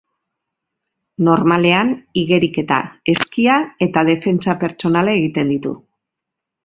Normalean, igeriketa, eskia eta defentsa pertsonala egiten ditu.